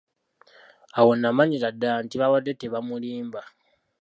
Awo n'amanyira ddala nti baabadde tebamulimba.